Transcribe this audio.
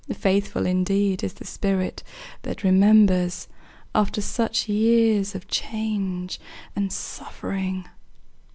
Faithful indeed is the spirit that remembers After such years of change and suffering!